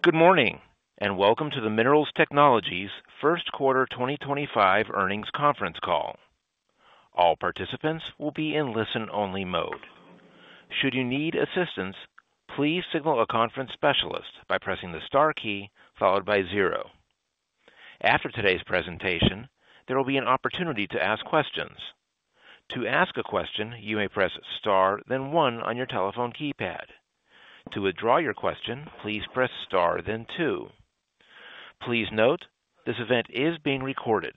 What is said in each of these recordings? Good morning and welcome to the Minerals Technologies first quarter 2025 earnings conference call. All participants will be in listen-only mode. Should you need assistance, please signal a conference specialist by pressing the star key followed by zero. After today's presentation, there will be an opportunity to ask questions. To ask a question, you may press star, then one on your telephone keypad. To withdraw your question, please press star, then two. Please note, this event is being recorded.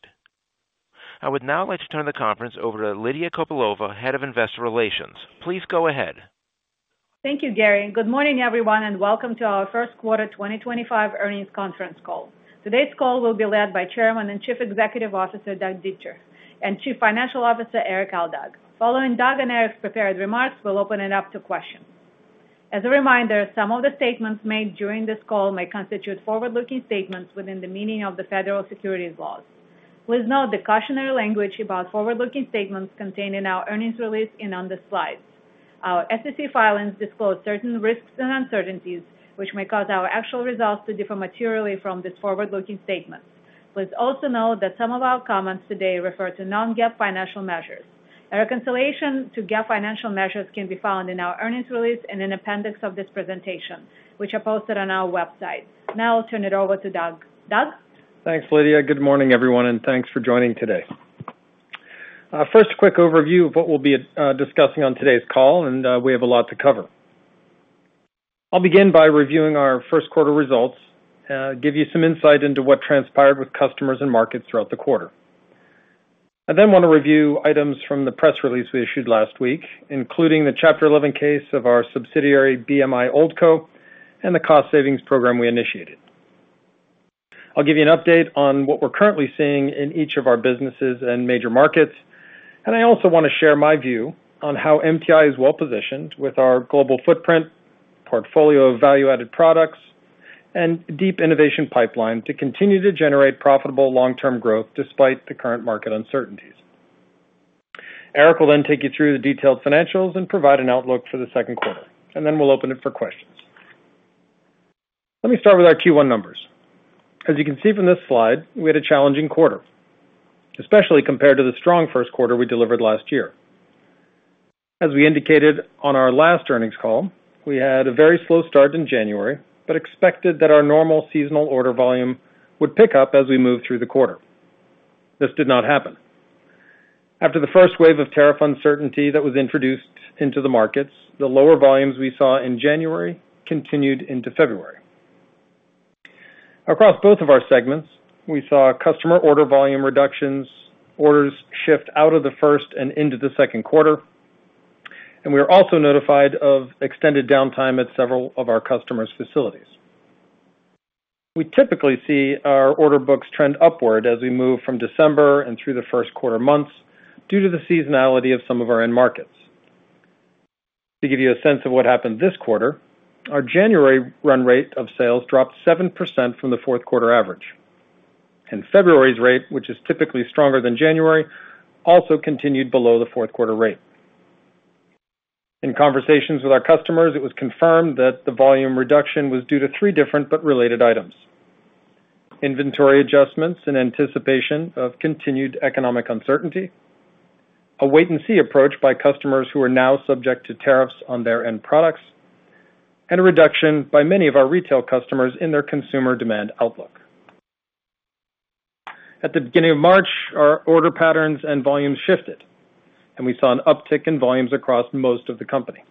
I would now like to turn the conference over to Lydia Kopylova, Head of Investor Relations. Please go ahead. Thank you, Gary. Good morning, everyone, and welcome to our first quarter 2025 earnings conference call. Today's call will be led by Chairman and Chief Executive Officer Doug Dietrich and Chief Financial Officer Erik Aldag. Following Doug and Erik's prepared remarks, we'll open it up to questions. As a reminder, some of the statements made during this call may constitute forward-looking statements within the meaning of the federal securities laws. Please note the cautionary language about forward-looking statements contained in our earnings release and on the slides. Our SEC filings disclose certain risks and uncertainties, which may cause our actual results to differ materially from these forward-looking statements. Please also note that some of our comments today refer to non-GAAP financial measures. A reconciliation to GAAP financial measures can be found in our earnings release and in appendix of this presentation, which are posted on our website. Now I'll turn it over to Doug. Doug? Thanks, Lydia. Good morning, everyone, and thanks for joining today. First, a quick overview of what we'll be discussing on today's call, and we have a lot to cover. I'll begin by reviewing our first quarter results, give you some insight into what transpired with customers and markets throughout the quarter. I then want to review items from the press release we issued last week, including the Chapter 11 case of our subsidiary BMI Old Co. and the cost savings program we initiated. I'll give you an update on what we're currently seeing in each of our businesses and major markets. I also want to share my view on how MTI is well positioned with our global footprint, portfolio of value-added products, and deep innovation pipeline to continue to generate profitable long-term growth despite the current market uncertainties. Erik will then take you through the detailed financials and provide an outlook for the second quarter. We will open it for questions. Let me start with our Q1 numbers. As you can see from this slide, we had a challenging quarter, especially compared to the strong first quarter we delivered last year. As we indicated on our last earnings call, we had a very slow start in January, but expected that our normal seasonal order volume would pick up as we move through the quarter. This did not happen. After the first wave of tariff uncertainty that was introduced into the markets, the lower volumes we saw in January continued into February. Across both of our segments, we saw customer order volume reductions, orders shift out of the first and into the second quarter. We were also notified of extended downtime at several of our customers' facilities. We typically see our order books trend upward as we move from December and through the first quarter months due to the seasonality of some of our end markets. To give you a sense of what happened this quarter, our January run rate of sales dropped 7% from the fourth quarter average. February's rate, which is typically stronger than January, also continued below the fourth quarter rate. In conversations with our customers, it was confirmed that the volume reduction was due to three different but related items: inventory adjustments in anticipation of continued economic uncertainty, a wait-and-see approach by customers who are now subject to tariffs on their end products, and a reduction by many of our retail customers in their consumer demand outlook. At the beginning of March, our order patterns and volumes shifted, and we saw an uptick in volumes across most of the company.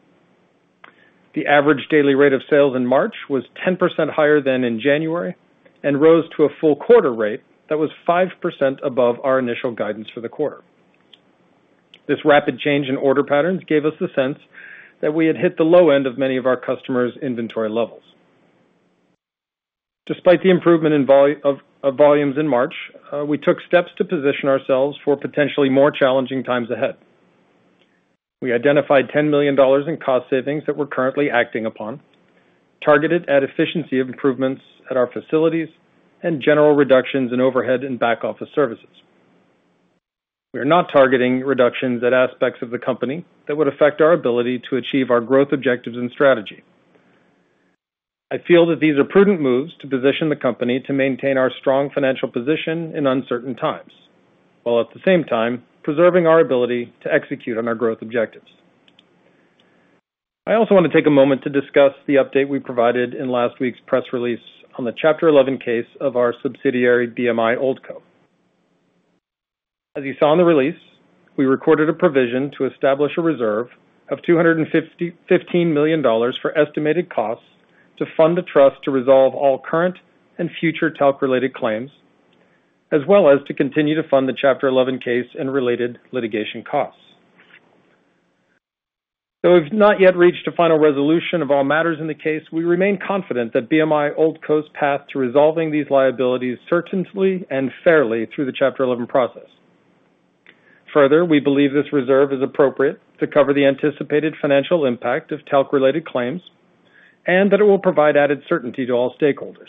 The average daily rate of sales in March was 10% higher than in January and rose to a full quarter rate that was 5% above our initial guidance for the quarter. This rapid change in order patterns gave us the sense that we had hit the low end of many of our customers' inventory levels. Despite the improvement in volumes in March, we took steps to position ourselves for potentially more challenging times ahead. We identified $10 million in cost savings that we're currently acting upon, targeted at efficiency of improvements at our facilities and general reductions in overhead and back office services. We are not targeting reductions at aspects of the company that would affect our ability to achieve our growth objectives and strategy. I feel that these are prudent moves to position the company to maintain our strong financial position in uncertain times while at the same time preserving our ability to execute on our growth objectives. I also want to take a moment to discuss the update we provided in last week's press release on the Chapter 11 case of our subsidiary BMI Old Co. As you saw in the release, we recorded a provision to establish a reserve of $215 million for estimated costs to fund a trust to resolve all current and future talc-related claims, as well as to continue to fund the Chapter 11 case and related litigation costs. Though we've not yet reached a final resolution of all matters in the case, we remain confident that BMI Old Co.'s path to resolving these liabilities certainly and fairly through the Chapter 11 process. Further, we believe this reserve is appropriate to cover the anticipated financial impact of talc-related claims and that it will provide added certainty to all stakeholders.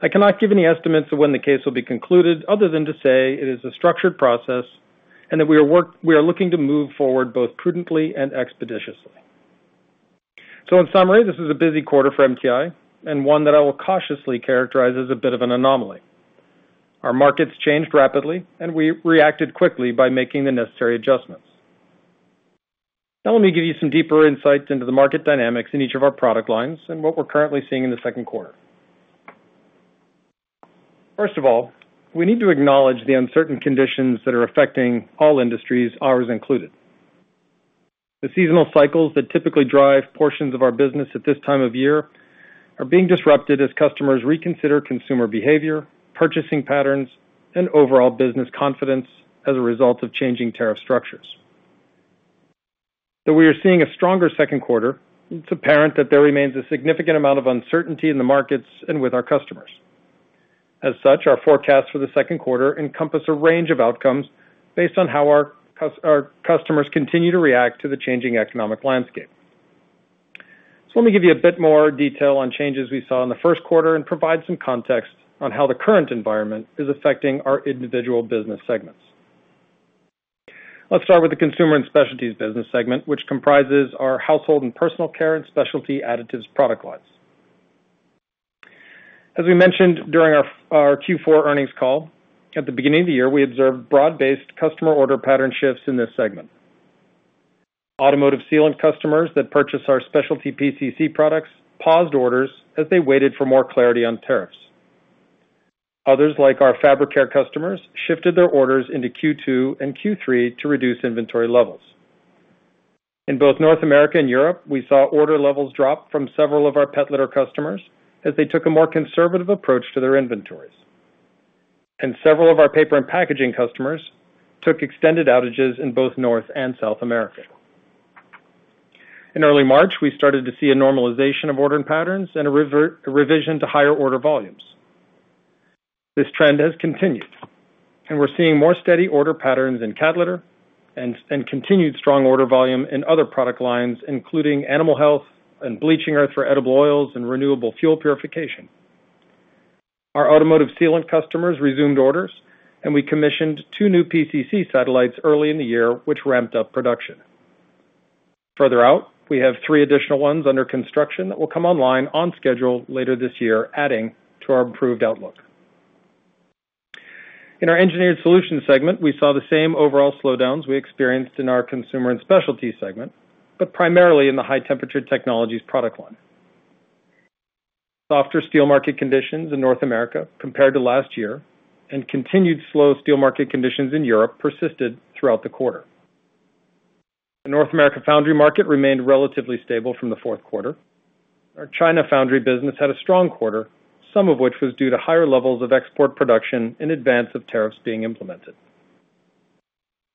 I cannot give any estimates of when the case will be concluded other than to say it is a structured process and that we are looking to move forward both prudently and expeditiously. In summary, this is a busy quarter for MTI and one that I will cautiously characterize as a bit of an anomaly. Our markets changed rapidly, and we reacted quickly by making the necessary adjustments. Now let me give you some deeper insights into the market dynamics in each of our product lines and what we're currently seeing in the second quarter. First of all, we need to acknowledge the uncertain conditions that are affecting all industries, ours included. The seasonal cycles that typically drive portions of our business at this time of year are being disrupted as customers reconsider consumer behavior, purchasing patterns, and overall business confidence as a result of changing tariff structures. Though we are seeing a stronger second quarter, it's apparent that there remains a significant amount of uncertainty in the markets and with our customers. As such, our forecast for the second quarter encompasses a range of outcomes based on how our customers continue to react to the changing economic landscape. Let me give you a bit more detail on changes we saw in the first quarter and provide some context on how the current environment is affecting our individual business segments. Let's start with the consumer and specialties business segment, which comprises our household and personal care and specialty additives product lines. As we mentioned during our Q4 earnings call, at the beginning of the year, we observed broad-based customer order pattern shifts in this segment. Automotive sealant customers that purchased our specialty PCC products paused orders as they waited for more clarity on tariffs. Others, like our fabric care customers, shifted their orders into Q2 and Q3 to reduce inventory levels. In both North America and Europe, we saw order levels drop from several of our pet litter customers as they took a more conservative approach to their inventories. Several of our paper and packaging customers took extended outages in both North and South America. In early March, we started to see a normalization of order patterns and a revision to higher order volumes. This trend has continued, and we're seeing more steady order patterns in cat litter and continued strong order volume in other product lines, including animal health and bleaching earth for edible oils and renewable fuel purification. Our automotive sealant customers resumed orders, and we commissioned two new PCC satellites early in the year, which ramped up production. Further out, we have three additional ones under construction that will come online on schedule later this year, adding to our improved outlook. In our engineered solutions segment, we saw the same overall slowdowns we experienced in our consumer and specialty segment, but primarily in the high-temperature technologies product line. Softer steel market conditions in North America compared to last year and continued slow steel market conditions in Europe persisted throughout the quarter. The North America foundry market remained relatively stable from the fourth quarter. Our China foundry business had a strong quarter, some of which was due to higher levels of export production in advance of tariffs being implemented.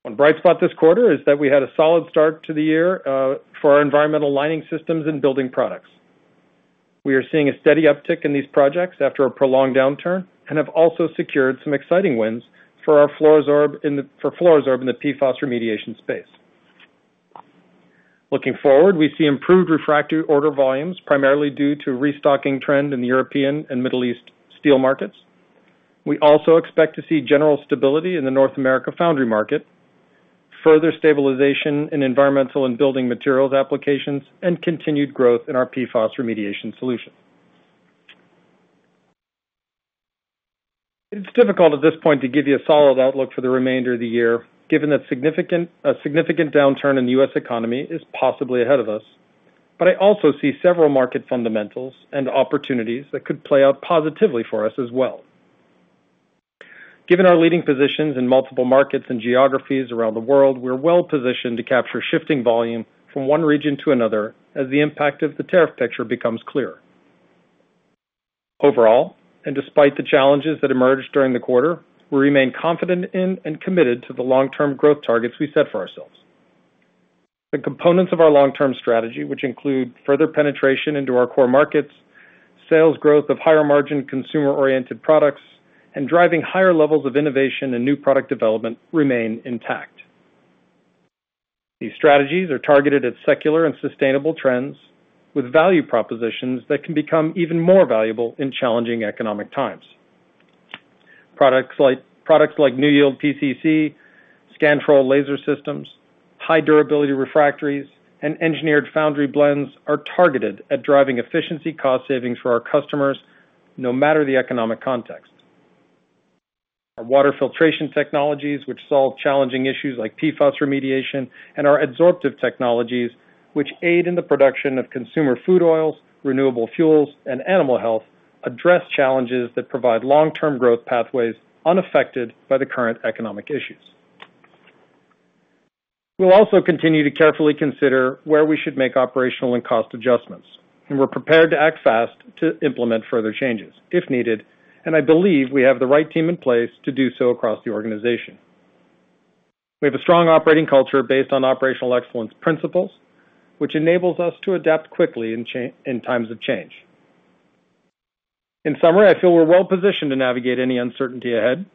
One bright spot this quarter is that we had a solid start to the year for our environmental lining systems and building products. We are seeing a steady uptick in these projects after a prolonged downturn and have also secured some exciting wins for our FLUORO-SORB in the PFAS remediation space. Looking forward, we see improved refractory order volumes, primarily due to a restocking trend in the European and Middle East steel markets. We also expect to see general stability in the North America foundry market, further stabilization in environmental and building materials applications, and continued growth in our PFAS remediation solutions. It's difficult at this point to give you a solid outlook for the remainder of the year, given that a significant downturn in the U.S. economy is possibly ahead of us. I also see several market fundamentals and opportunities that could play out positively for us as well. Given our leading positions in multiple markets and geographies around the world, we're well positioned to capture shifting volume from one region to another as the impact of the tariff picture becomes clearer. Overall, and despite the challenges that emerged during the quarter, we remain confident in and committed to the long-term growth targets we set for ourselves. The components of our long-term strategy, which include further penetration into our core markets, sales growth of higher-margin consumer-oriented products, and driving higher levels of innovation and new product development, remain intact. These strategies are targeted at secular and sustainable trends with value propositions that can become even more valuable in challenging economic times. Products like NewYield PCC, SCANTROL laser systems, high-durability refractories, and engineered foundry blends are targeted at driving efficiency cost savings for our customers no matter the economic context. Our water filtration technologies, which solve challenging issues like PFAS remediation, and our absorptive technologies, which aid in the production of consumer food oils, renewable fuels, and animal health, address challenges that provide long-term growth pathways unaffected by the current economic issues. We will also continue to carefully consider where we should make operational and cost adjustments. We are prepared to act fast to implement further changes if needed. I believe we have the right team in place to do so across the organization. We have a strong operating culture based on operational excellence principles, which enables us to adapt quickly in times of change. In summary, I feel we're well positioned to navigate any uncertainty ahead.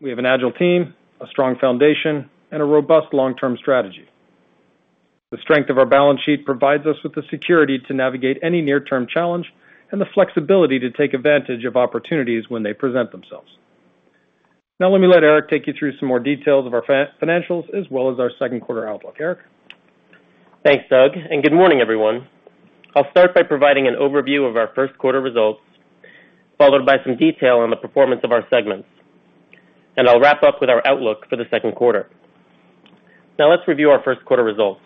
We have an agile team, a strong foundation, and a robust long-term strategy. The strength of our balance sheet provides us with the security to navigate any near-term challenge and the flexibility to take advantage of opportunities when they present themselves. Now let me let Erik take you through some more details of our financials as well as our second quarter outlook. Erik. Thanks, Doug. And good morning, everyone. I'll start by providing an overview of our first quarter results, followed by some detail on the performance of our segments. I'll wrap up with our outlook for the second quarter. Now let's review our first quarter results.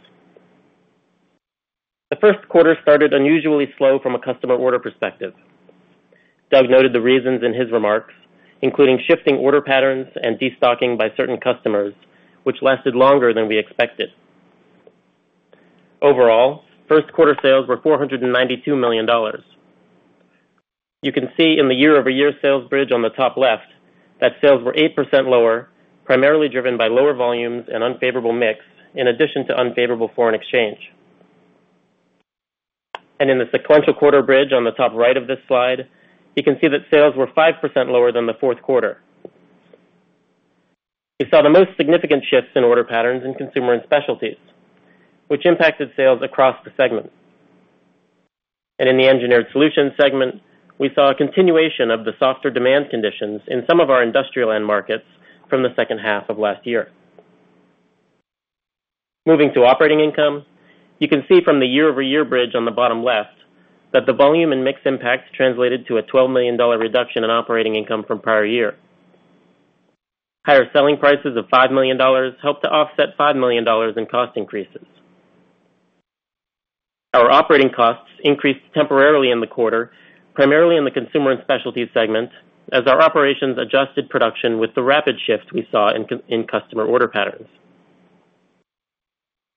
The first quarter started unusually slow from a customer order perspective. Doug noted the reasons in his remarks, including shifting order patterns and destocking by certain customers, which lasted longer than we expected. Overall, first quarter sales were $492 million. You can see in the year-over-year sales bridge on the top left that sales were 8% lower, primarily driven by lower volumes and unfavorable mix, in addition to unfavorable foreign exchange. In the sequential quarter bridge on the top right of this slide, you can see that sales were 5% lower than the fourth quarter. We saw the most significant shifts in order patterns in consumer and specialties, which impacted sales across the segment. In the engineered solutions segment, we saw a continuation of the softer demand conditions in some of our industrial end markets from the second half of last year. Moving to operating income, you can see from the year-over-year bridge on the bottom left that the volume and mix impact translated to a $12 million reduction in operating income from prior year. Higher selling prices of $5 million helped to offset $5 million in cost increases. Our operating costs increased temporarily in the quarter, primarily in the consumer and specialties segment, as our operations adjusted production with the rapid shift we saw in customer order patterns.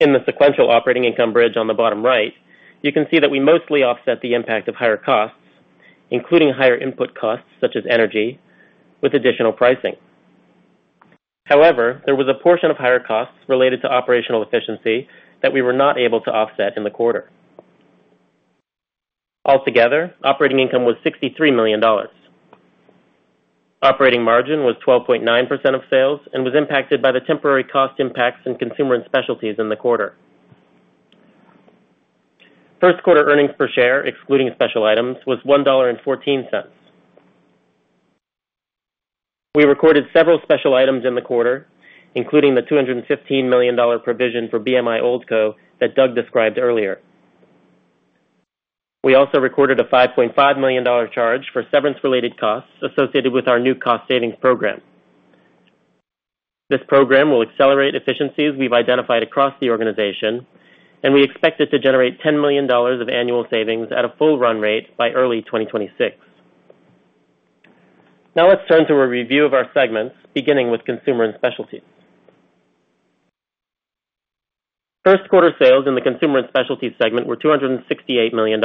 In the sequential operating income bridge on the bottom right, you can see that we mostly offset the impact of higher costs, including higher input costs such as energy, with additional pricing. However, there was a portion of higher costs related to operational efficiency that we were not able to offset in the quarter. Altogether, operating income was $63 million. Operating margin was 12.9% of sales and was impacted by the temporary cost impacts in consumer and specialties in the quarter. First quarter earnings per share, excluding special items, was $1.14. We recorded several special items in the quarter, including the $215 million provision for BMI Old Co. that Doug described earlier. We also recorded a $5.5 million charge for severance-related costs associated with our new cost savings program. This program will accelerate efficiencies we have identified across the organization, and we expect it to generate $10 million of annual savings at a full run rate by early 2026. Now let's turn to a review of our segments, beginning with consumer and specialties. First quarter sales in the consumer and specialties segment were $268 million.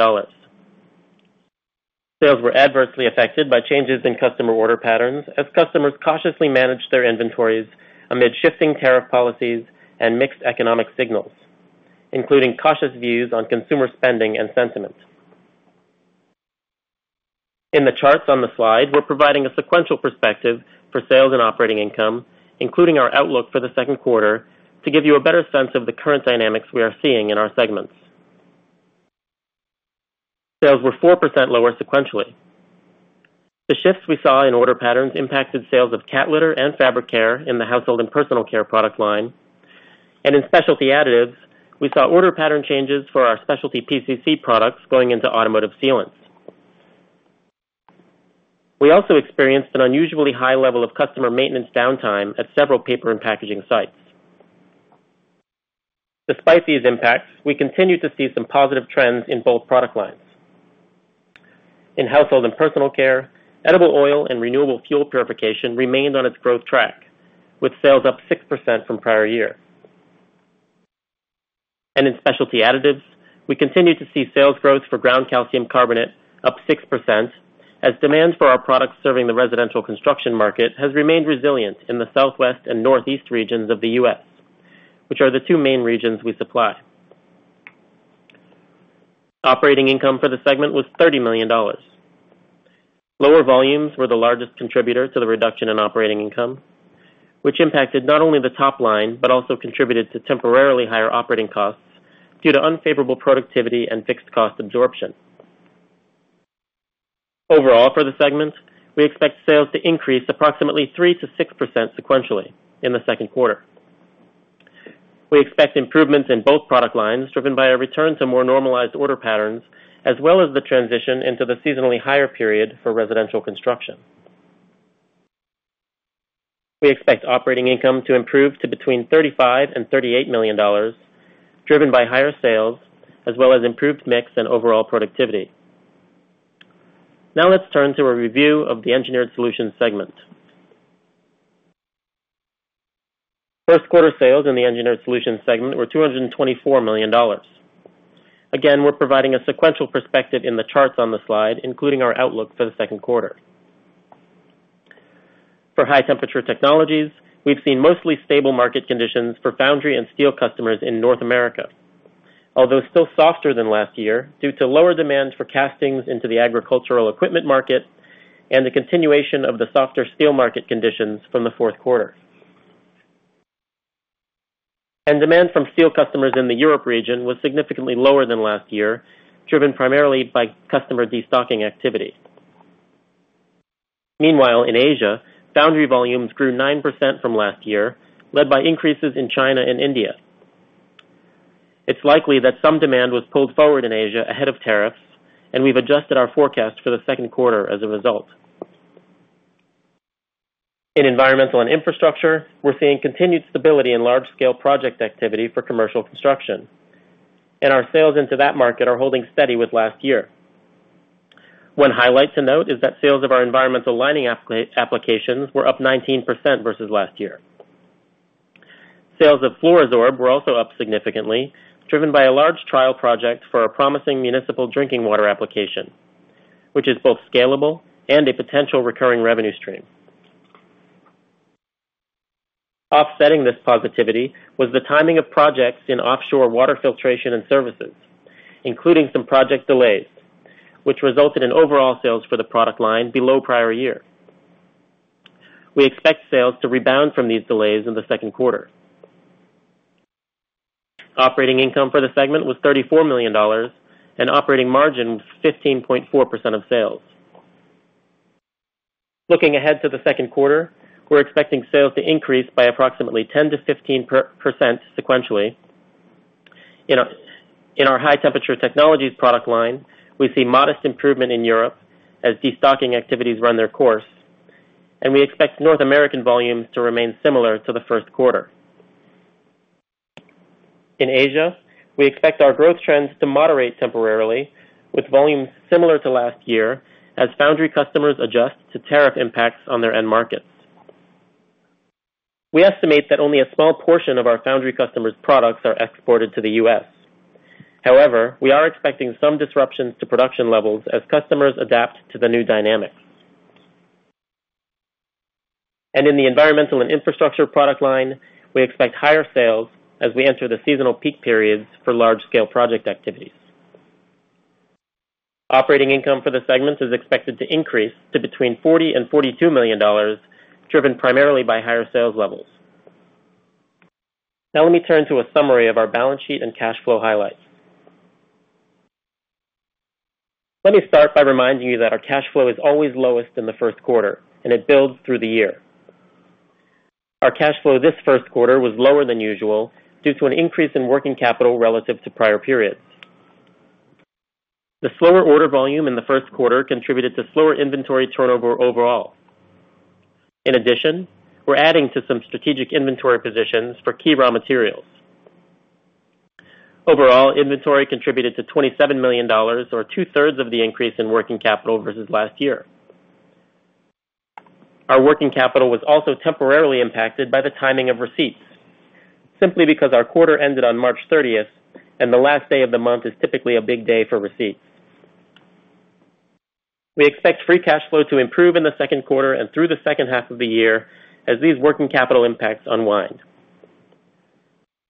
Sales were adversely affected by changes in customer order patterns as customers cautiously managed their inventories amid shifting tariff policies and mixed economic signals, including cautious views on consumer spending and sentiment. In the charts on the slide, we're providing a sequential perspective for sales and operating income, including our outlook for the second quarter, to give you a better sense of the current dynamics we are seeing in our segments. Sales were 4% lower sequentially. The shifts we saw in order patterns impacted sales of cat litter and fabric care in the household and personal care product line. In specialty additives, we saw order pattern changes for our specialty PCC products going into automotive sealants. We also experienced an unusually high level of customer maintenance downtime at several paper and packaging sites. Despite these impacts, we continue to see some positive trends in both product lines. In household and personal care, edible oil and renewable fuel purification remained on its growth track, with sales up 6% from prior year. In specialty additives, we continue to see sales growth for ground calcium carbonate up 6% as demand for our products serving the residential construction market has remained resilient in the southwest and northeast regions of the U.S., which are the two main regions we supply. Operating income for the segment was $30 million. Lower volumes were the largest contributor to the reduction in operating income, which impacted not only the top line but also contributed to temporarily higher operating costs due to unfavorable productivity and fixed cost absorption. Overall, for the segment, we expect sales to increase approximately 3%-6% sequentially in the second quarter. We expect improvements in both product lines driven by a return to more normalized order patterns, as well as the transition into the seasonally higher period for residential construction. We expect operating income to improve to between $35 million and $38 million, driven by higher sales, as well as improved mix and overall productivity. Now let's turn to a review of the engineered solutions segment. First quarter sales in the engineered solutions segment were $224 million. Again, we're providing a sequential perspective in the charts on the slide, including our outlook for the second quarter. For high-temperature technologies, we've seen mostly stable market conditions for foundry and steel customers in North America, although still softer than last year due to lower demand for castings into the agricultural equipment market and the continuation of the softer steel market conditions from the fourth quarter. Demand from steel customers in the Europe region was significantly lower than last year, driven primarily by customer destocking activity. Meanwhile, in Asia, foundry volumes grew 9% from last year, led by increases in China and India. It is likely that some demand was pulled forward in Asia ahead of tariffs, and we have adjusted our forecast for the second quarter as a result. In environmental and infrastructure, we are seeing continued stability in large-scale project activity for commercial construction. Our sales into that market are holding steady with last year. One highlight to note is that sales of our environmental lining applications were up 19% versus last year. Sales of Fluorosorb were also up significantly, driven by a large trial project for a promising municipal drinking water application, which is both scalable and a potential recurring revenue stream. Offsetting this positivity was the timing of projects in offshore water filtration and services, including some project delays, which resulted in overall sales for the product line below prior year. We expect sales to rebound from these delays in the second quarter. Operating income for the segment was $34 million, and operating margin was 15.4% of sales. Looking ahead to the second quarter, we're expecting sales to increase by approximately 10%-15% sequentially. In our high-temperature technologies product line, we see modest improvement in Europe as destocking activities run their course. We expect North American volumes to remain similar to the first quarter. In Asia, we expect our growth trends to moderate temporarily, with volumes similar to last year as foundry customers adjust to tariff impacts on their end markets. We estimate that only a small portion of our foundry customers' products are exported to the U.S. However, we are expecting some disruptions to production levels as customers adapt to the new dynamics. In the environmental and infrastructure product line, we expect higher sales as we enter the seasonal peak periods for large-scale project activities. Operating income for the segment is expected to increase to between $40 and $42 million, driven primarily by higher sales levels. Now let me turn to a summary of our balance sheet and cash flow highlights. Let me start by reminding you that our cash flow is always lowest in the first quarter, and it builds through the year. Our cash flow this first quarter was lower than usual due to an increase in working capital relative to prior periods. The slower order volume in the first quarter contributed to slower inventory turnover overall. In addition, we're adding to some strategic inventory positions for key raw materials. Overall, inventory contributed to $27 million, or two-thirds of the increase in working capital versus last year. Our working capital was also temporarily impacted by the timing of receipts, simply because our quarter ended on March 30, and the last day of the month is typically a big day for receipts. We expect free cash flow to improve in the second quarter and through the second half of the year as these working capital impacts unwind.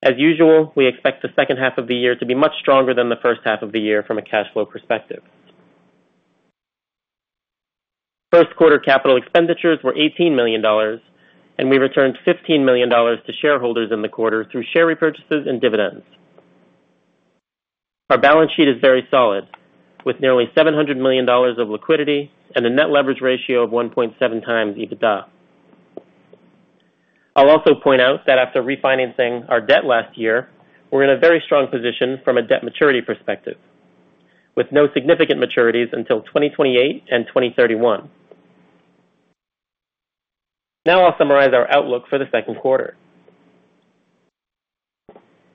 As usual, we expect the second half of the year to be much stronger than the first half of the year from a cash flow perspective. First quarter capital expenditures were $18 million, and we returned $15 million to shareholders in the quarter through share repurchases and dividends. Our balance sheet is very solid, with nearly $700 million of liquidity and a net leverage ratio of 1.7 times EBITDA. I'll also point out that after refinancing our debt last year, we're in a very strong position from a debt maturity perspective, with no significant maturities until 2028 and 2031. Now I'll summarize our outlook for the second quarter.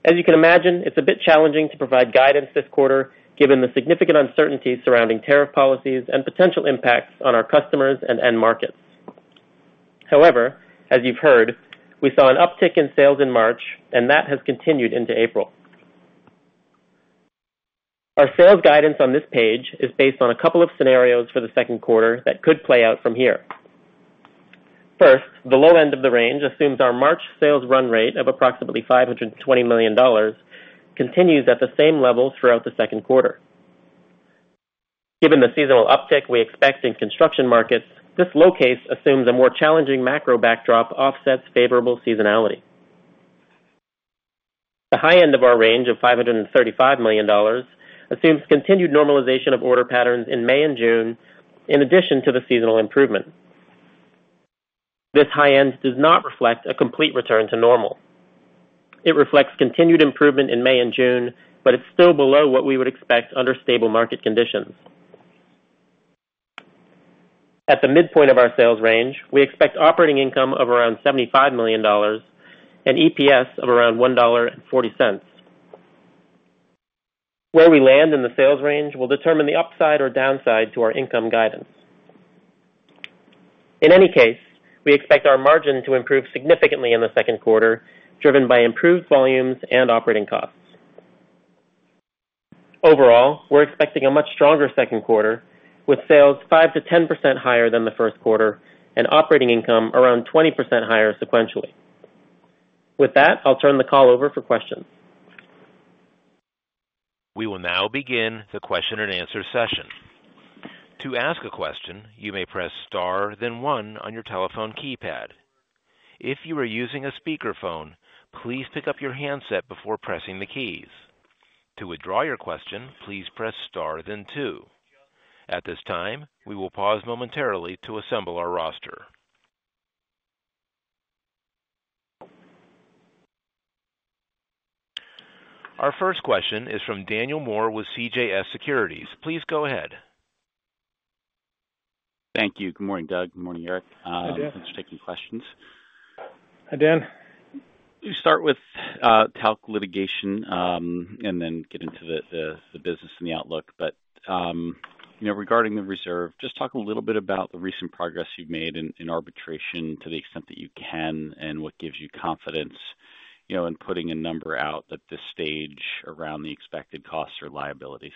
As you can imagine, it's a bit challenging to provide guidance this quarter given the significant uncertainties surrounding tariff policies and potential impacts on our customers and end markets. However, as you've heard, we saw an uptick in sales in March, and that has continued into April. Our sales guidance on this page is based on a couple of scenarios for the second quarter that could play out from here. First, the low end of the range assumes our March sales run rate of approximately $520 million continues at the same levels throughout the second quarter. Given the seasonal uptick we expect in construction markets, this low case assumes a more challenging macro backdrop offsets favorable seasonality. The high end of our range of $535 million assumes continued normalization of order patterns in May and June, in addition to the seasonal improvement. This high end does not reflect a complete return to normal. It reflects continued improvement in May and June, but it's still below what we would expect under stable market conditions. At the midpoint of our sales range, we expect operating income of around $75 million and EPS of around $1.40. Where we land in the sales range will determine the upside or downside to our income guidance. In any case, we expect our margin to improve significantly in the second quarter, driven by improved volumes and operating costs. Overall, we're expecting a much stronger second quarter, with sales 5%-10% higher than the first quarter and operating income around 20% higher sequentially. With that, I'll turn the call over for questions. We will now begin the question and answer session. To ask a question, you may press Star, then 1 on your telephone keypad. If you are using a speakerphone, please pick up your handset before pressing the keys. To withdraw your question, please press Star, then 2. At this time, we will pause momentarily to assemble our roster. Our first question is from Daniel Moore with CJS Securities. Please go ahead. Thank you. Good morning, Doug. Good morning, Erik. Thanks for taking questions. Hi, Dan. We'll start with talc litigation and then get into the business and the outlook. Regarding the reserve, just talk a little bit about the recent progress you've made in arbitration to the extent that you can and what gives you confidence in putting a number out at this stage around the expected costs or liabilities.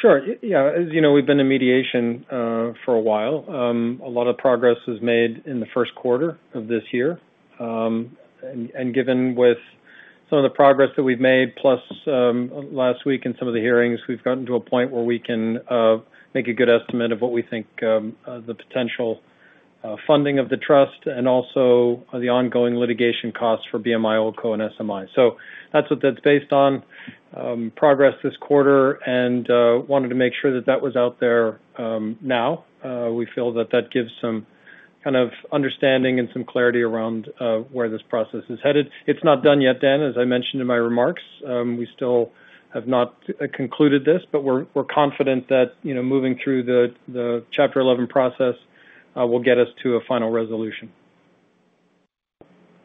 Sure. Yeah. As you know, we've been in mediation for a while. A lot of progress was made in the first quarter of this year. Given some of the progress that we've made, plus last week and some of the hearings, we've gotten to a point where we can make a good estimate of what we think the potential funding of the trust and also the ongoing litigation costs for BMI Old Co. and SMI. That's what that's based on: progress this quarter. Wanted to make sure that that was out there now. We feel that that gives some kind of understanding and some clarity around where this process is headed. It's not done yet, Dan, as I mentioned in my remarks. We still have not concluded this, but we're confident that moving through the Chapter 11 process will get us to a final resolution.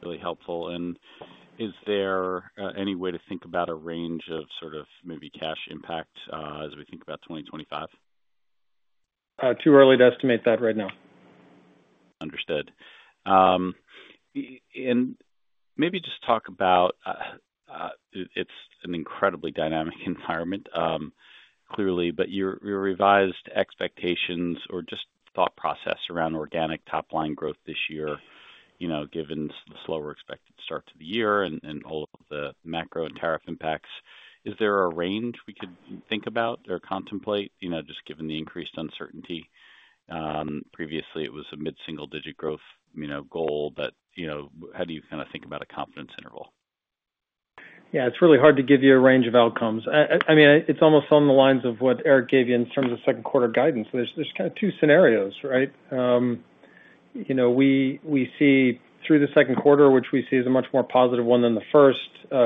Really helpful. Is there any way to think about a range of sort of maybe cash impact as we think about 2025? Too early to estimate that right now. Understood. Maybe just talk about it's an incredibly dynamic environment, clearly, but your revised expectations or just thought process around organic top-line growth this year, given the slower expected start to the year and all of the macro and tariff impacts. Is there a range we could think about or contemplate, just given the increased uncertainty? Previously, it was a mid-single-digit growth goal, but how do you kind of think about a confidence interval? Yeah. It's really hard to give you a range of outcomes. I mean, it's almost on the lines of what Erik gave you in terms of second quarter guidance. There's kind of two scenarios, right? We see through the second quarter, which we see as a much more positive one than the first,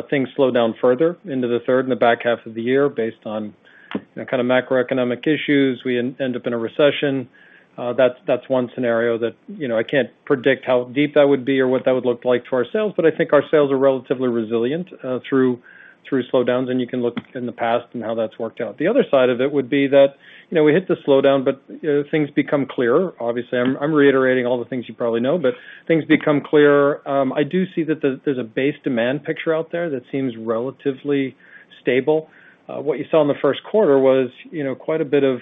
things slow down further into the third and the back half of the year based on kind of macroeconomic issues. We end up in a recession. That's one scenario that I can't predict how deep that would be or what that would look like to our sales, but I think our sales are relatively resilient through slowdowns, and you can look in the past and how that's worked out. The other side of it would be that we hit the slowdown, but things become clearer. Obviously, I'm reiterating all the things you probably know, but things become clearer. I do see that there's a base demand picture out there that seems relatively stable. What you saw in the first quarter was quite a bit of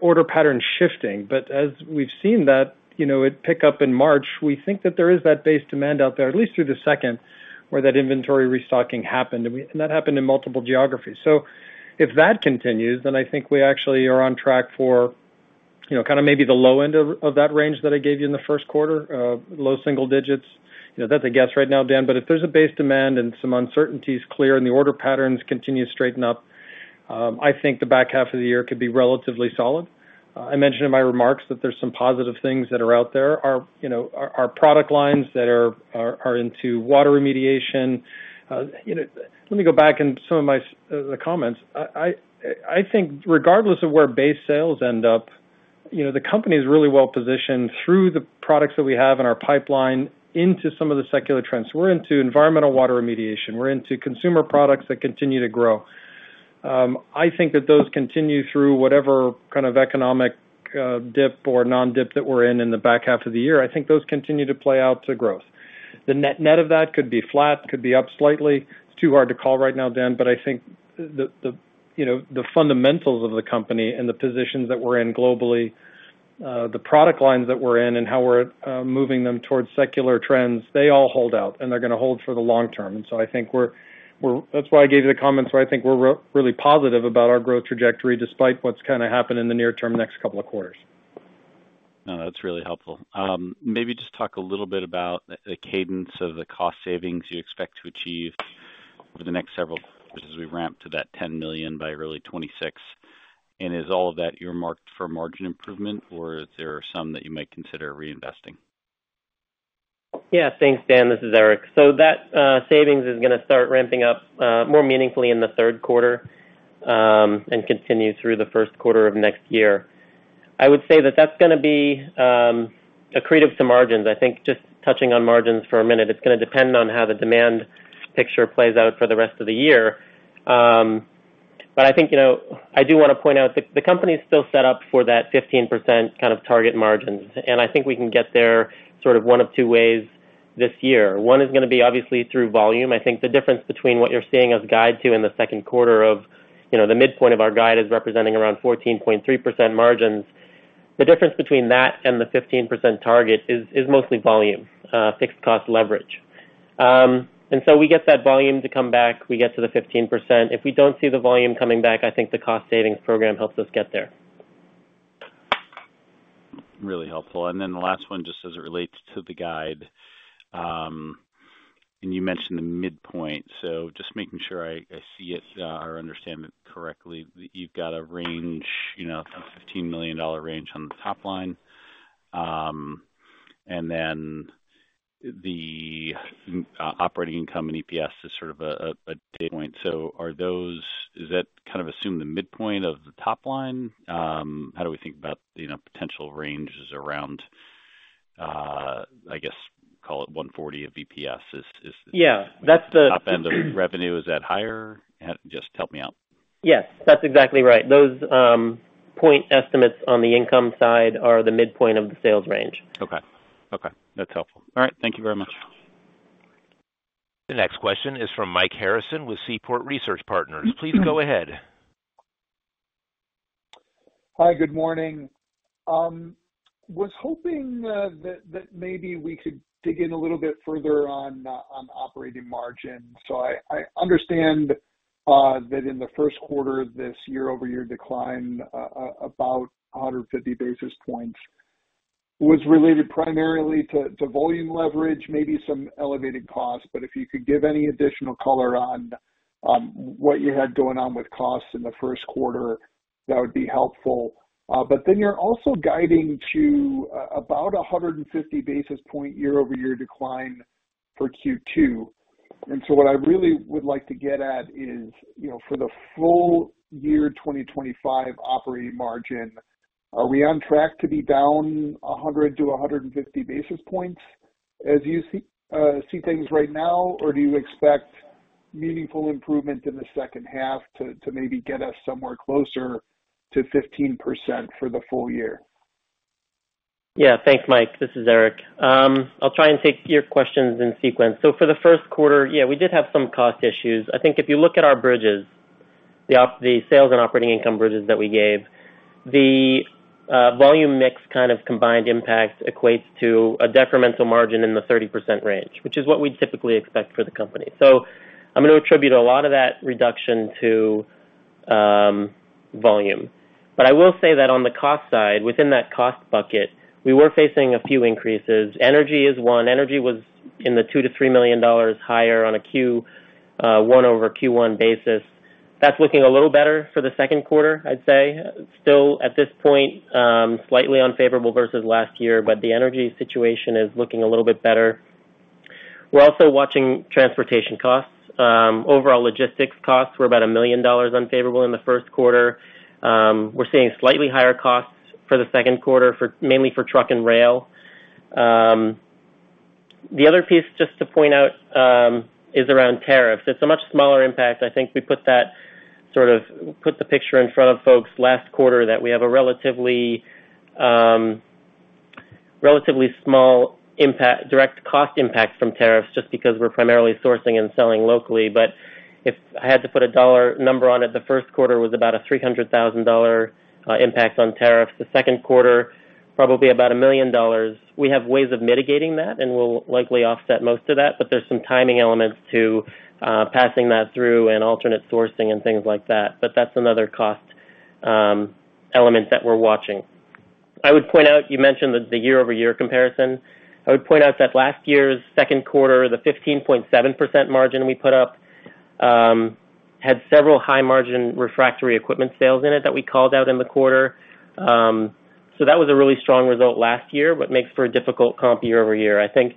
order pattern shifting. As we've seen that it pick up in March, we think that there is that base demand out there, at least through the second, where that inventory restocking happened. That happened in multiple geographies. If that continues, then I think we actually are on track for kind of maybe the low end of that range that I gave you in the first quarter, low single digits. That's a guess right now, Dan. If there's a base demand and some uncertainties clear and the order patterns continue to straighten up, I think the back half of the year could be relatively solid. I mentioned in my remarks that there's some positive things that are out there. Our product lines that are into water remediation, let me go back in some of my comments. I think regardless of where base sales end up, the company is really well positioned through the products that we have in our pipeline into some of the secular trends. We're into environmental water remediation. We're into consumer products that continue to grow. I think that those continue through whatever kind of economic dip or non-dip that we're in in the back half of the year. I think those continue to play out to growth. The net of that could be flat, could be up slightly. It's too hard to call right now, Dan, but I think the fundamentals of the company and the positions that we're in globally, the product lines that we're in, and how we're moving them towards secular trends, they all hold out, and they're going to hold for the long term. I think that's why I gave you the comments, where I think we're really positive about our growth trajectory despite what's kind of happened in the near term next couple of quarters. No, that's really helpful. Maybe just talk a little bit about the cadence of the cost savings you expect to achieve over the next several quarters as we ramp to that $10 million by early 2026. Is all of that earmarked for margin improvement, or is there some that you might consider reinvesting? Yeah. Thanks, Dan. This is Erik. That savings is going to start ramping up more meaningfully in the third quarter and continue through the first quarter of next year. I would say that that's going to be accretive to margins. I think just touching on margins for a minute, it's going to depend on how the demand picture plays out for the rest of the year. I think I do want to point out that the company is still set up for that 15% kind of target margins. I think we can get there sort of one of two ways this year. One is going to be obviously through volume. I think the difference between what you're seeing us guide to in the second quarter at the midpoint of our guide is representing around 14.3% margins. The difference between that and the 15% target is mostly volume, fixed cost leverage. We get that volume to come back. We get to the 15%. If we do not see the volume coming back, I think the cost savings program helps us get there. Really helpful. The last one, just as it relates to the guide. You mentioned the midpoint. Just making sure I see it or understand it correctly, you have a range, a $15 million range on the top line. The operating income and EPS is sort of a data point. Is that kind of assumed the midpoint of the top line? How do we think about potential ranges around, I guess, call it $1.40 of EPS? Is the top end of revenue, is that higher? Just help me out. Yes. That is exactly right. Those point estimates on the income side are the midpoint of the sales range. Okay. Okay. That is helpful. All right. Thank you very much. The next question is from Mike Harrison with Seaport Research Partners. Please go ahead. Hi. Good morning. Was hoping that maybe we could dig in a little bit further on operating margins. I understand that in the first quarter of this year-over-year decline, about 150 basis points, was related primarily to volume leverage, maybe some elevated costs. If you could give any additional color on what you had going on with costs in the first quarter, that would be helpful. You are also guiding to about 150 basis point year-over-year decline for Q2. What I really would like to get at is for the full year 2025 operating margin, are we on track to be down 100-150 basis points as you see things right now, or do you expect meaningful improvement in the second half to maybe get us somewhere closer to 15% for the full year? Yeah. Thanks, Mike. This is Erik. I'll try and take your questions in sequence. For the first quarter, yeah, we did have some cost issues. I think if you look at our bridges, the sales and operating income bridges that we gave, the volume mix kind of combined impact equates to a detrimental margin in the 30% range, which is what we typically expect for the company. I'm going to attribute a lot of that reduction to volume. I will say that on the cost side, within that cost bucket, we were facing a few increases. Energy is one. Energy was in the $2 million-$3 million higher on a Q1 over Q1 basis. That is looking a little better for the second quarter, I'd say. Still, at this point, slightly unfavorable versus last year, but the energy situation is looking a little bit better. We are also watching transportation costs. Overall logistics costs were about $1 million unfavorable in the first quarter. We are seeing slightly higher costs for the second quarter, mainly for truck and rail. The other piece, just to point out, is around tariffs. It is a much smaller impact. I think we put that sort of put the picture in front of folks last quarter that we have a relatively small direct cost impact from tariffs just because we are primarily sourcing and selling locally. If I had to put a dollar number on it, the first quarter was about a $300,000 impact on tariffs. The second quarter, probably about $1 million. We have ways of mitigating that, and we'll likely offset most of that. There are some timing elements to passing that through and alternate sourcing and things like that. That is another cost element that we're watching. You mentioned the year-over-year comparison. I would point out that last year's second quarter, the 15.7% margin we put up had several high-margin refractory equipment sales in it that we called out in the quarter. That was a really strong result last year, but makes for a difficult comp year-over-year. I think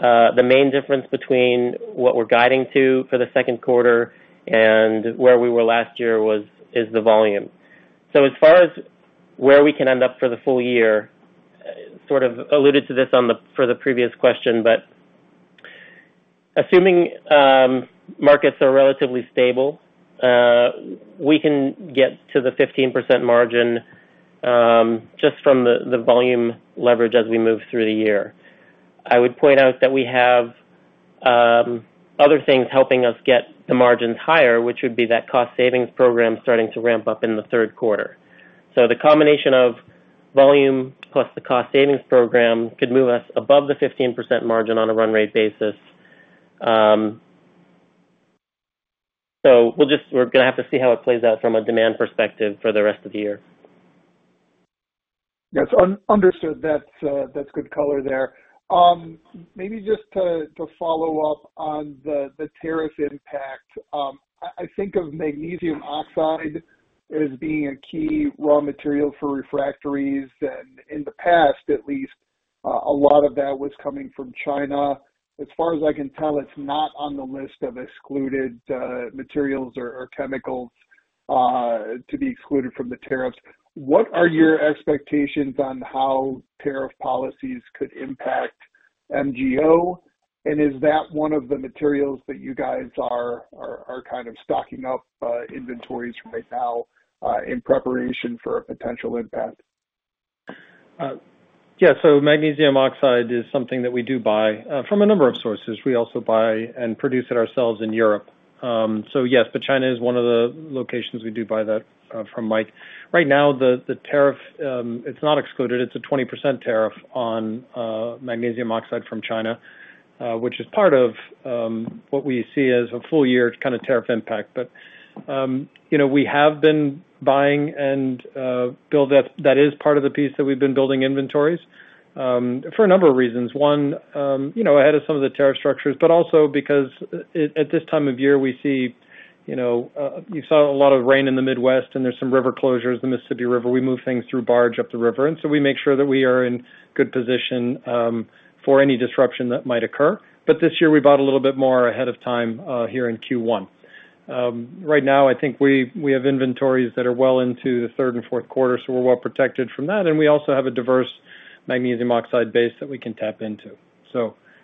the main difference between what we're guiding to for the second quarter and where we were last year is the volume. As far as where we can end up for the full year, sort of alluded to this for the previous question, but assuming markets are relatively stable, we can get to the 15% margin just from the volume leverage as we move through the year. I would point out that we have other things helping us get the margins higher, which would be that cost savings program starting to ramp up in the third quarter. The combination of volume plus the cost savings program could move us above the 15% margin on a run rate basis. We're going to have to see how it plays out from a demand perspective for the rest of the year. Yes. Understood. That's good color there. Maybe just to follow up on the tariff impact, I think of magnesium oxide as being a key raw material for refractories. In the past, at least, a lot of that was coming from China. As far as I can tell, it's not on the list of excluded materials or chemicals to be excluded from the tariffs. What are your expectations on how tariff policies could impact MGO? Is that one of the materials that you guys are kind of stocking up inventories right now in preparation for a potential impact? Yeah. Magnesium oxide is something that we do buy from a number of sources. We also buy and produce it ourselves in Europe. Yes, China is one of the locations we do buy that from. Right now, the tariff, it's not excluded. It's a 20% tariff on magnesium oxide from China, which is part of what we see as a full-year kind of tariff impact. We have been buying and build that. That is part of the piece that we've been building inventories for a number of reasons. One, ahead of some of the tariff structures, but also because at this time of year, you saw a lot of rain in the Midwest, and there are some river closures, the Mississippi River. We move things through barge up the river. We make sure that we are in good position for any disruption that might occur. This year, we bought a little bit more ahead of time here in Q1. Right now, I think we have inventories that are well into the third and fourth quarter, so we're well protected from that. We also have a diverse magnesium oxide base that we can tap into.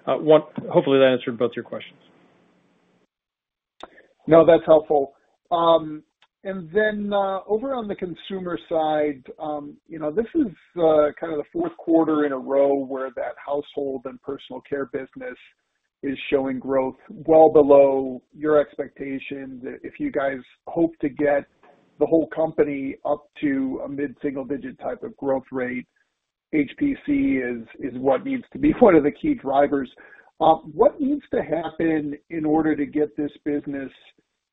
Hopefully, that answered both your questions. No, that's helpful. Over on the consumer side, this is kind of the fourth quarter in a row where that household and personal care business is showing growth well below your expectations. If you guys hope to get the whole company up to a mid-single-digit type of growth rate, HPC is what needs to be one of the key drivers. What needs to happen in order to get this business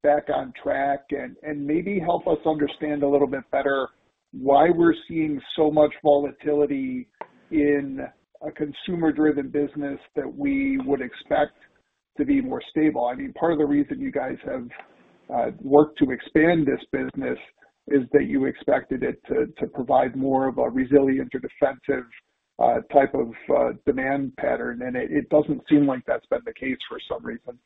back on track and maybe help us understand a little bit better why we're seeing so much volatility in a consumer-driven business that we would expect to be more stable? I mean, part of the reason you guys have worked to expand this business is that you expected it to provide more of a resilient or defensive type of demand pattern. It doesn't seem like that's been the case for some reason.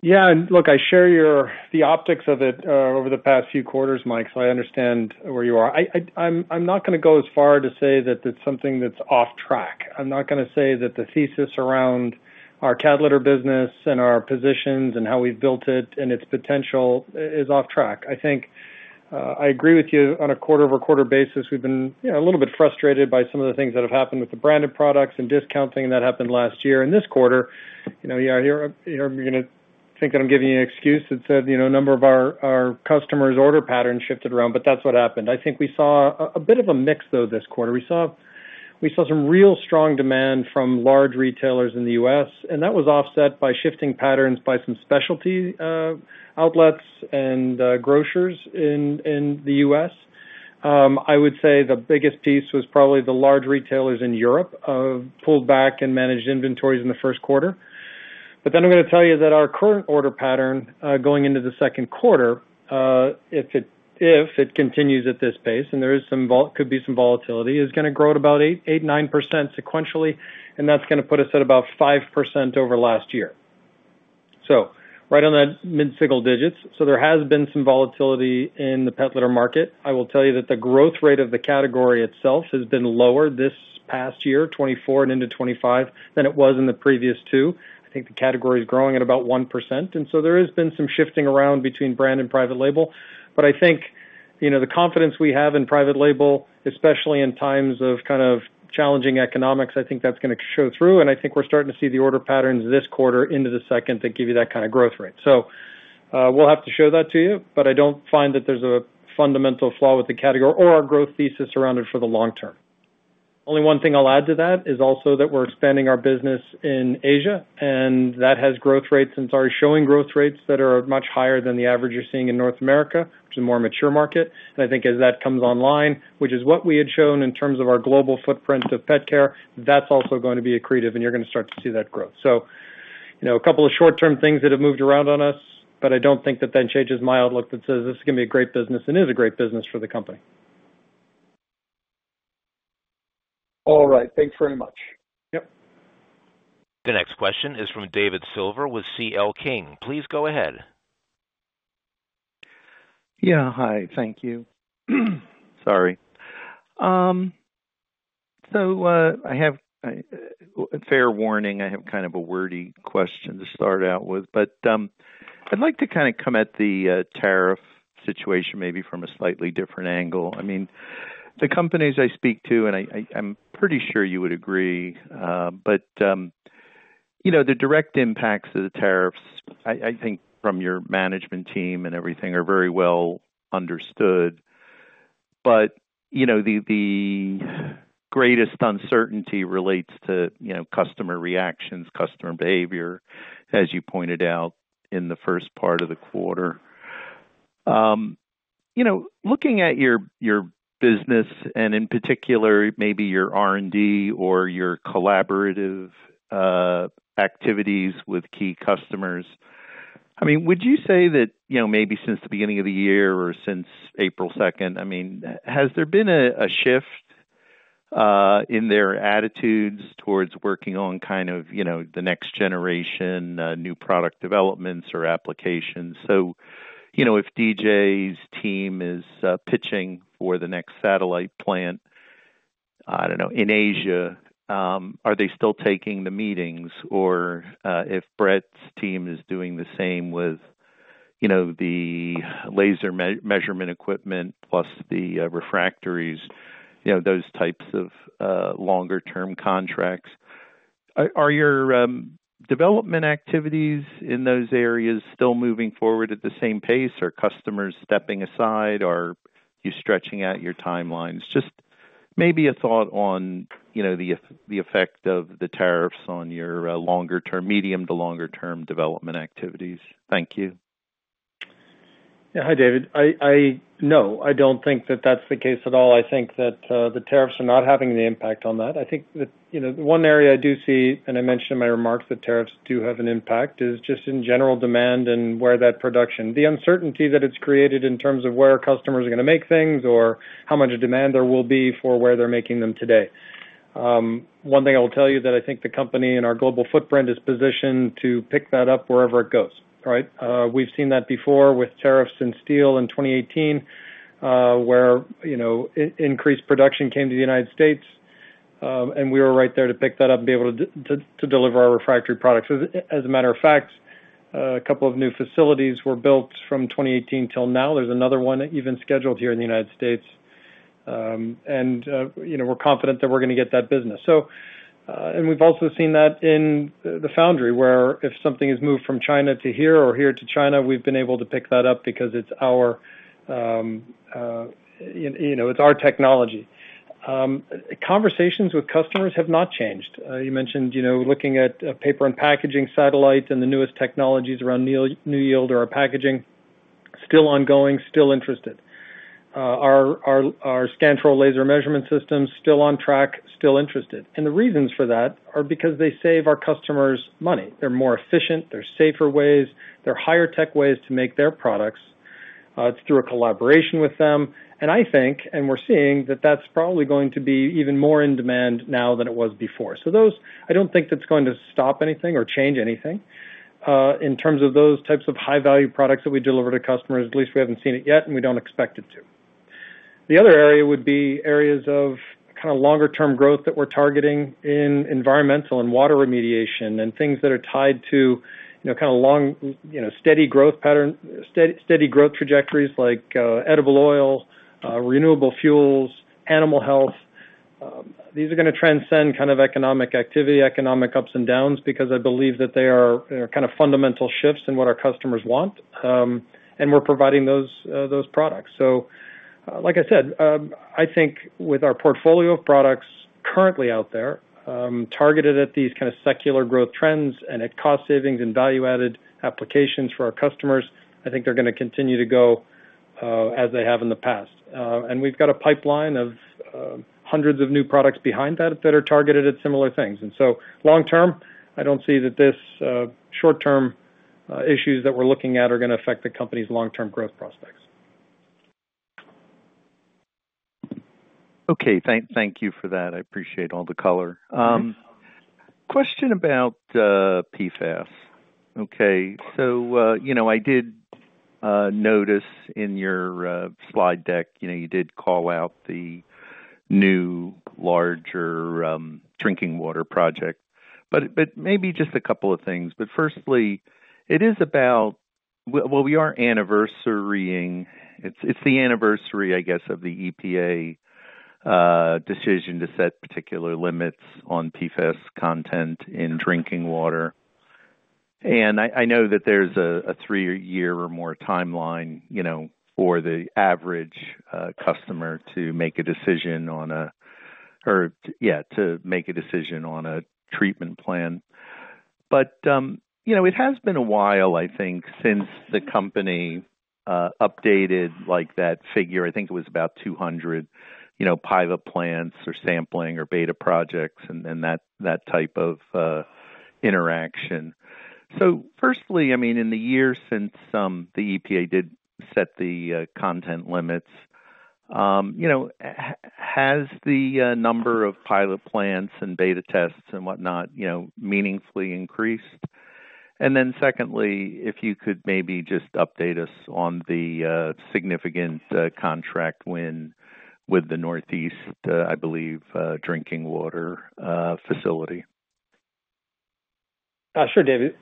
Yeah. Look, I share the optics of it over the past few quarters, Mike, so I understand where you are. I'm not going to go as far to say that it's something that's off track. I'm not going to say that the thesis around our cat litter business and our positions and how we've built it and its potential is off track. I think I agree with you on a quarter-over-quarter basis. We've been a little bit frustrated by some of the things that have happened with the branded products and discounting that happened last year. This quarter, you're going to think that I'm giving you an excuse that said a number of our customers' order patterns shifted around, but that's what happened. I think we saw a bit of a mix, though, this quarter. We saw some real strong demand from large retailers in the U.S., and that was offset by shifting patterns by some specialty outlets and grocers in the U.S. I would say the biggest piece was probably the large retailers in Europe pulled back and managed inventories in the first quarter. I am going to tell you that our current order pattern going into the second quarter, if it continues at this pace, and there could be some volatility, is going to grow at about 8-9% sequentially, and that is going to put us at about 5% over last year. Right on that mid-single digits. There has been some volatility in the pet litter market. I will tell you that the growth rate of the category itself has been lower this past year, 2024 and into 2025, than it was in the previous two. I think the category is growing at about 1%. There has been some shifting around between brand and private label. I think the confidence we have in private label, especially in times of kind of challenging economics, I think that's going to show through. I think we're starting to see the order patterns this quarter into the second that give you that kind of growth rate. We will have to show that to you, but I do not find that there is a fundamental flaw with the category or our growth thesis around it for the long term. Only one thing I will add to that is also that we are expanding our business in Asia, and that has growth rates and is already showing growth rates that are much higher than the average you are seeing in North America, which is a more mature market. I think as that comes online, which is what we had shown in terms of our global footprint of pet care, that's also going to be accretive, and you're going to start to see that growth. A couple of short-term things have moved around on us, but I don't think that changes my outlook that says this is going to be a great business and is a great business for the company. All right. Thanks very much. Yep. The next question is from David Silver with CL King. Please go ahead. Yeah. Hi. Thank you. Sorry. I have, fair warning, I have kind of a wordy question to start out with, but I'd like to kind of come at the tariff situation maybe from a slightly different angle. I mean, the companies I speak to, and I'm pretty sure you would agree, but the direct impacts of the tariffs, I think from your management team and everything, are very well understood. The greatest uncertainty relates to customer reactions, customer behavior, as you pointed out in the first part of the quarter. Looking at your business and in particular, maybe your R&D or your collaborative activities with key customers, I mean, would you say that maybe since the beginning of the year or since April 2nd, I mean, has there been a shift in their attitudes towards working on kind of the next generation new product developments or applications? If D.J.'s team is pitching for the next satellite plant, I don't know, in Asia, are they still taking the meetings? Or if Brett's team is doing the same with the laser measurement equipment plus the refractories, those types of longer-term contracts, are your development activities in those areas still moving forward at the same pace? Are customers stepping aside, or are you stretching out your timelines? Just maybe a thought on the effect of the tariffs on your longer-term, medium-to-longer-term development activities. Thank you. Yeah. Hi, David. No, I don't think that that's the case at all. I think that the tariffs are not having the impact on that. I think that the one area I do see, and I mentioned in my remarks that tariffs do have an impact, is just in general demand and where that production, the uncertainty that it's created in terms of where customers are going to make things or how much demand there will be for where they're making them today. One thing I will tell you that I think the company and our global footprint is positioned to pick that up wherever it goes, right? We've seen that before with tariffs in steel in 2018 where increased production came to the United States, and we were right there to pick that up and be able to deliver our refractory products. As a matter of fact, a couple of new facilities were built from 2018 till now. There is another one even scheduled here in the United States. We're confident that we're going to get that business. We've also seen that in the foundry where if something is moved from China to here or here to China, we've been able to pick that up because it's our technology. Conversations with customers have not changed. You mentioned looking at paper and packaging satellite and the newest technologies around NewYield or our packaging, still ongoing, still interested. Our Scantech laser measurement systems, still on track, still interested. The reasons for that are because they save our customers money. They are more efficient. There are safer ways. There are higher-tech ways to make their products. It is through a collaboration with them. I think, and we are seeing that, that is probably going to be even more in demand now than it was before. I do not think that is going to stop anything or change anything in terms of those types of high-value products that we deliver to customers. At least we have not seen it yet, and we do not expect it to. The other area would be areas of kind of longer-term growth that we're targeting in environmental and water remediation and things that are tied to kind of long, steady growth trajectories like edible oil, renewable fuels, animal health. These are going to transcend kind of economic activity, economic ups and downs, because I believe that they are kind of fundamental shifts in what our customers want. And we're providing those products. Like I said, I think with our portfolio of products currently out there targeted at these kind of secular growth trends and at cost savings and value-added applications for our customers, I think they're going to continue to go as they have in the past. We've got a pipeline of hundreds of new products behind that that are targeted at similar things. So long term, I don't see that these short-term issues that we're looking at are going to affect the company's long-term growth prospects. Okay. Thank you for that. I appreciate all the color. Question about PFAS. I did notice in your slide deck, you did call out the new larger drinking water project. Maybe just a couple of things. Firstly, it is about, we are anniversarying. It's the anniversary, I guess, of the EPA decision to set particular limits on PFAS content in drinking water. I know that there's a three-year or more timeline for the average customer to make a decision on a, or yeah, to make a decision on a treatment plan. It has been a while, I think, since the company updated that figure. I think it was about 200 pilot plants or sampling or beta projects and that type of interaction. Firstly, I mean, in the year since the EPA did set the content limits, has the number of pilot plants and beta tests and whatnot meaningfully increased? If you could maybe just update us on the significant contract win with the Northeast, I believe, drinking water facility. Sure, David.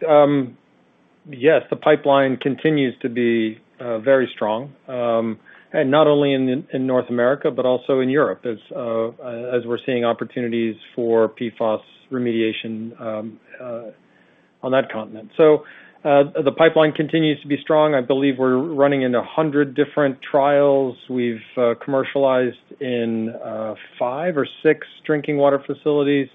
Yes. The pipeline continues to be very strong, not only in North America but also in Europe, as we're seeing opportunities for PFAS remediation on that continent. The pipeline continues to be strong. I believe we're running into 100 different trials. We've commercialized in five or six drinking water facilities.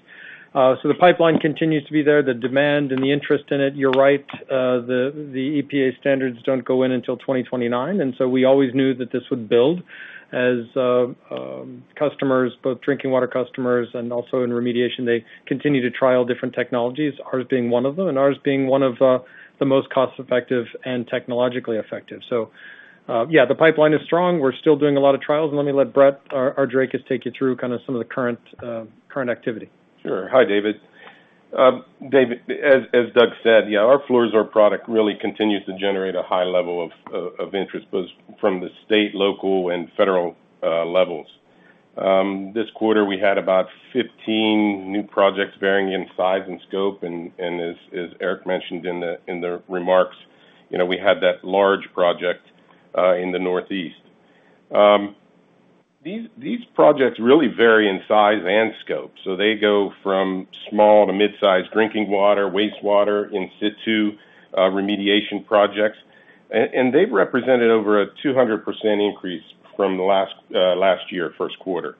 The pipeline continues to be there. The demand and the interest in it, you're right, the EPA standards don't go in until 2029. We always knew that this would build as customers, both drinking water customers and also in remediation, they continue to trial different technologies, ours being one of them and ours being one of the most cost-effective and technologically effective. Yeah, the pipeline is strong. We're still doing a lot of trials. Let me let Brett Argirakis take you through kind of some of the current activity. Sure. Hi, David. David, as Doug said, yeah, our Fluorosorb product really continues to generate a high level of interest from the state, local, and federal levels. This quarter, we had about 15 new projects varying in size and scope. As Erik mentioned in the remarks, we had that large project in the Northeast. These projects really vary in size and scope. They go from small to mid-size drinking water, wastewater, in-situ remediation projects. They've represented over a 200% increase from last year, first quarter.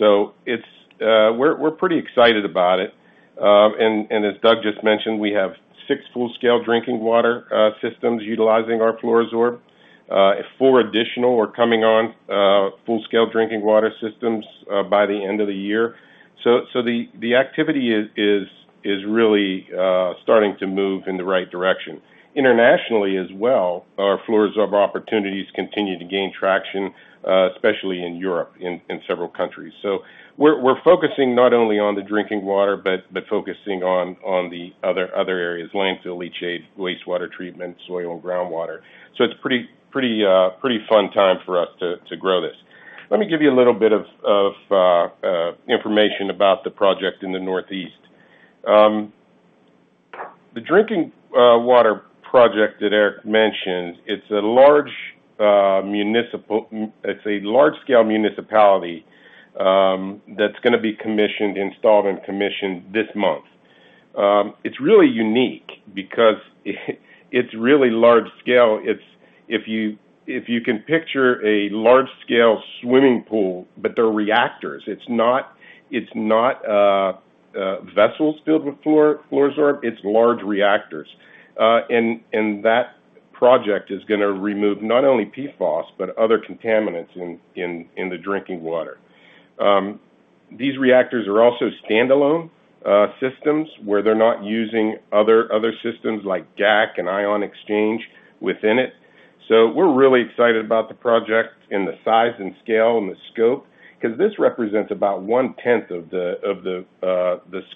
We're pretty excited about it. As Doug just mentioned, we have six full-scale drinking water systems utilizing our Fluorosorb. Four additional are coming on full-scale drinking water systems by the end of the year. The activity is really starting to move in the right direction. Internationally as well, our Fluorosorb opportunities continue to gain traction, especially in Europe and several countries. We're focusing not only on the drinking water but focusing on the other areas: landfill, leachate, wastewater treatment, soil, and groundwater. It's a pretty fun time for us to grow this. Let me give you a little bit of information about the project in the Northeast. The drinking water project that Erik mentioned, it's a large municipality that's going to be installed and commissioned this month. It's really unique because it's really large scale. If you can picture a large-scale swimming pool, but they're reactors. It's not vessels filled with Fluorosorb. It's large reactors. That project is going to remove not only PFAS but other contaminants in the drinking water. These reactors are also standalone systems where they're not using other systems like GAC and ion exchange within it. We're really excited about the project and the size and scale and the scope because this represents about one-tenth of the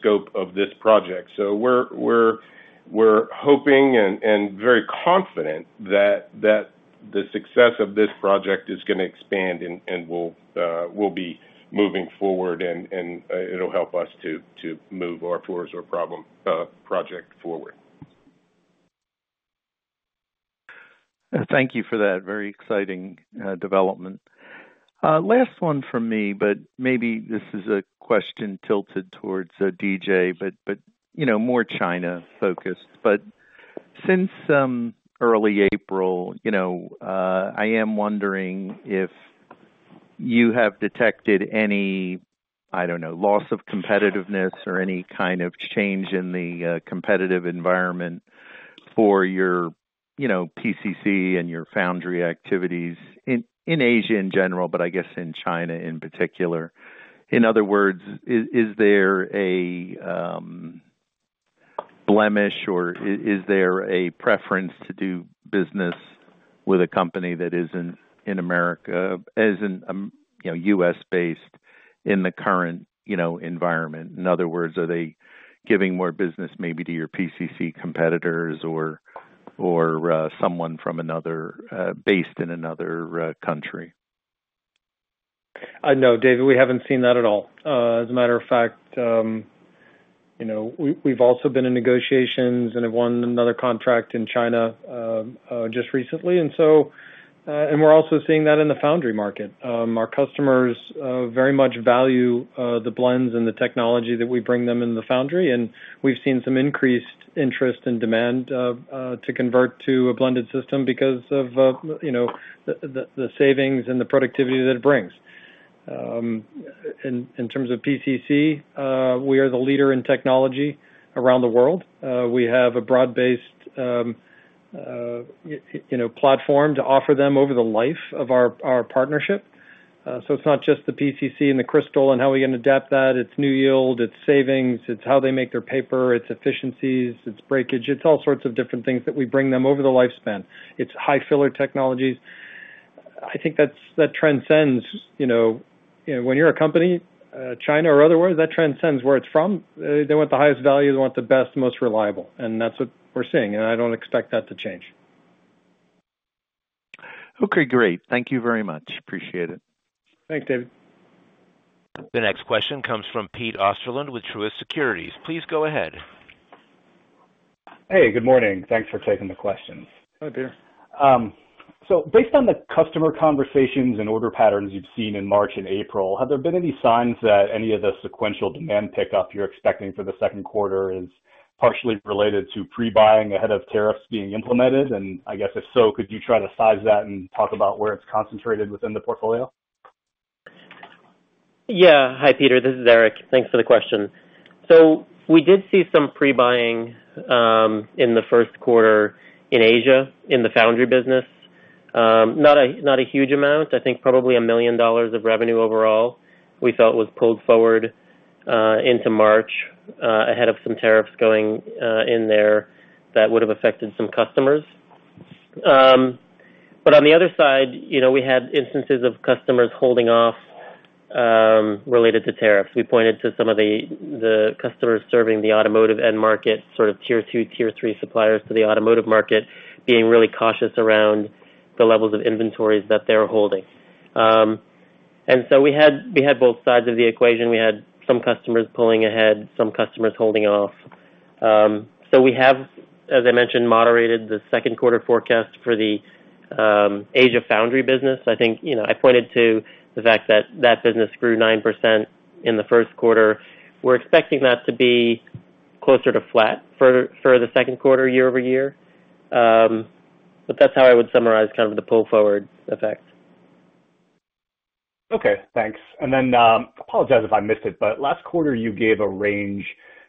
scope of this project. We're hoping and very confident that the success of this project is going to expand and we'll be moving forward, and it'll help us to move our Fluorosorb problem project forward. Thank you for that very exciting development. Last one for me, but maybe this is a question tilted towards D.J., but more China-focused. Since early April, I am wondering if you have detected any, I don't know, loss of competitiveness or any kind of change in the competitive environment for your PCC and your foundry activities in Asia in general, but I guess in China in particular. In other words, is there a blemish or is there a preference to do business with a company that isn't in America, as in U.S.-based in the current environment? In other words, are they giving more business maybe to your PCC competitors or someone based in another country? No, David, we haven't seen that at all. As a matter of fact, we've also been in negotiations and have won another contract in China just recently. We are also seeing that in the foundry market. Our customers very much value the blends and the technology that we bring them in the foundry. We have seen some increased interest and demand to convert to a blended system because of the savings and the productivity that it brings. In terms of PCC, we are the leader in technology around the world. We have a broad-based platform to offer them over the life of our partnership. It is not just the PCC and the crystal and how we can adapt that. It is NewYield. It is savings. It is how they make their paper. It is efficiencies. It is breakage. It is all sorts of different things that we bring them over the lifespan. It is high-filler technologies. I think that transcends when you are a company, China or otherwise, that transcends where it is from. They want the highest value. They want the best, most reliable. That is what we are seeing. I do not expect that to change. Okay. Great. Thank you very much. Appreciate it. Thanks, David. The next question comes from Pete Osterland with Truist Securities. Please go ahead. Hey, good morning. Thanks for taking the questions. Hi, Peter. Based on the customer conversations and order patterns you've seen in March and April, have there been any signs that any of the sequential demand pickup you're expecting for the second quarter is partially related to pre-buying ahead of tariffs being implemented? If so, could you try to size that and talk about where it's concentrated within the portfolio? Yeah. Hi, Peter. This is Erik. Thanks for the question. We did see some pre-buying in the first quarter in Asia in the foundry business. Not a huge amount. I think probably $1 million of revenue overall we felt was pulled forward into March ahead of some tariffs going in there that would have affected some customers. On the other side, we had instances of customers holding off related to tariffs. We pointed to some of the customers serving the automotive end market, sort of tier two, tier three suppliers to the automotive market being really cautious around the levels of inventories that they're holding. We had both sides of the equation. We had some customers pulling ahead, some customers holding off. We have, as I mentioned, moderated the second quarter forecast for the Asia foundry business. I think I pointed to the fact that that business grew 9% in the first quarter. We're expecting that to be closer to flat for the second quarter year over year. That is how I would summarize kind of the pull-forward effect. Okay. Thanks. I apologize if I missed it, but last quarter, you gave a range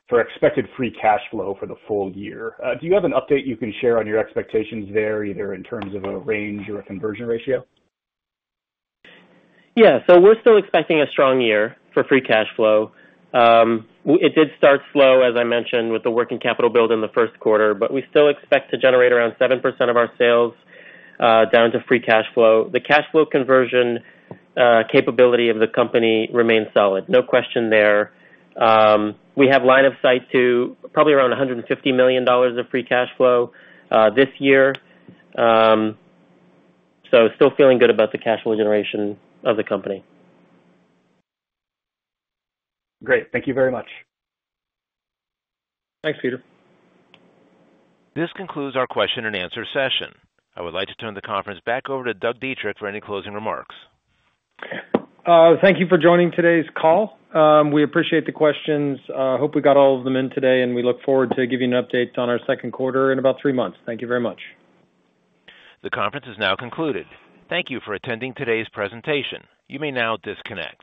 for expected free cash flow for the full year. Do you have an update you can share on your expectations there, either in terms of a range or a conversion ratio? Yeah. We're still expecting a strong year for free cash flow. It did start slow, as I mentioned, with the working capital build in the first quarter, but we still expect to generate around 7% of our sales down to free cash flow. The cash flow conversion capability of the company remains solid. No question there. We have line of sight to probably around $150 million of free cash flow this year. Still feeling good about the cash flow generation of the company. Great. Thank you very much. Thanks, Peter. This concludes our question and answer session. I would like to turn the conference back over to Doug Dietrich for any closing remarks. Thank you for joining today's call. We appreciate the questions. I hope we got all of them in today, and we look forward to giving you an update on our second quarter in about three months. Thank you very much. The conference is now concluded. Thank you for attending today's presentation. You may now disconnect.